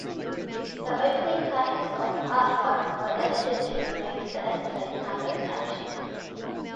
The opening titles of Part One were edited to remove the episode number caption.